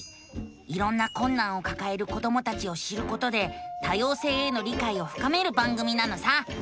いろんなこんなんをかかえる子どもたちを知ることで多様性への理解をふかめる番組なのさ！